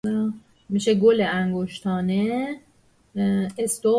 گل انگشتانه